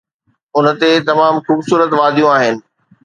اتي تمام خوبصورت واديون آهن